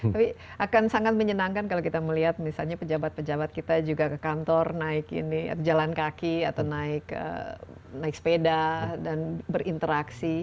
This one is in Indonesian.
tapi akan sangat menyenangkan kalau kita melihat misalnya pejabat pejabat kita juga ke kantor naik ini jalan kaki atau naik sepeda dan berinteraksi